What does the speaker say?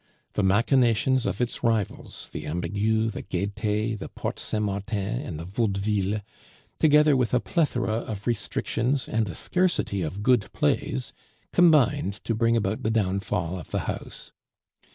The machinations of its rivals, the Ambigu, the Gaite, the Porte Saint Martin, and the Vaudeville, together with a plethora of restrictions and a scarcity of good plays, combined to bring about the downfall of the house.